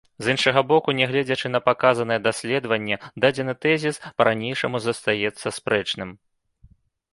З іншага боку, нягледзячы на паказанае даследаванне, дадзены тэзіс па-ранейшаму застаецца спрэчным.